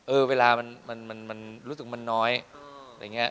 เวลามันรู้สึกมันน้อยอะไรอย่างนี้